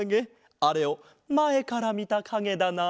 あれをまえからみたかげだな。